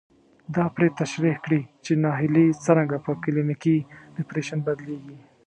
دا پرې تشرېح کړي چې ناهيلي څرنګه په کلينيکي ډېپريشن بدلېږي.